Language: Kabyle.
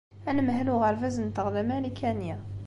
Anemhal n uɣerbaz-nteɣ d amarikani.